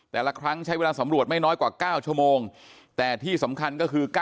แต่ละครั้งใช้เวลาสำรวจไม่น้อยกว่า๙ชั่วโมงแต่ที่สำคัญก็คือ